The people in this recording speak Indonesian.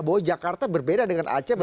bahwa jakarta berbeda dengan aceh